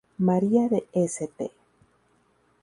María de St.